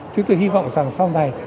chúng tôi hy vọng rằng sau này